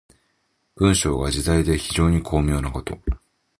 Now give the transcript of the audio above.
文章が自在で非常に巧妙なこと。